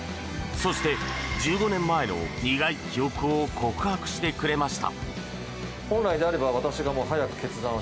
そして、１５年前の苦い記憶を告白してくれました。